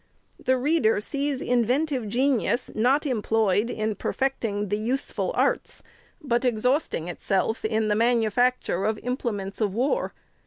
The reader sees inventive genius, not employed in perfecting the useful arts, but exhausting itself in the manufacture of implements of war.